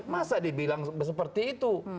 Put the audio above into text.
masa dibilang seperti itu